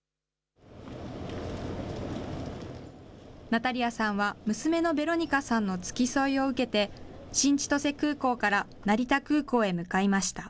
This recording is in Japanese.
ナタリアさんは、娘のベロニカさんの付き添いを受けて、新千歳空港から成田空港へ向かいました。